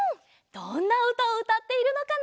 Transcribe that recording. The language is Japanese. どんなうたをうたっているのかな？